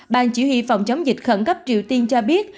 ban chỉ huy phòng chống dịch khẩn cấp triều tiên cho biết